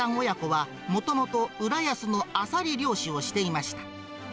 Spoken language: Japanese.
親子は、もともと浦安のあさり漁師をしていました。